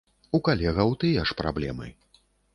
У калегаў тыя ж праблемы.